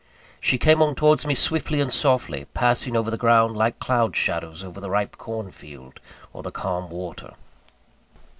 She came on towards me swiftly and softly, passing over the ground like cloud shadows over the ripe corn field or the calm water.